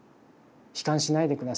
悲観しないで下さい。